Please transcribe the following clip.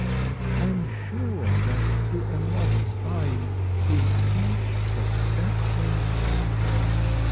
I'm sure that to a mother's eye Is each potentially a bear.